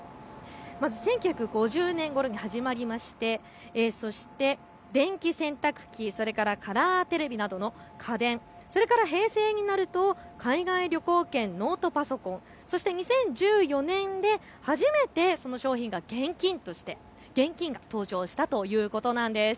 まず１９５０年ごろに始まりまして電気洗濯機、それからカラーテレビなどの家電、平成になると海外旅行券、ノートパソコン、そして２０１４年、初めて賞品が現金、登場したということなんです。